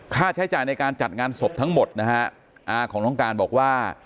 ค่าใช้จ่ายในการจัดงานศพทั้งหมดนะฮะอาของน้องการบอกว่า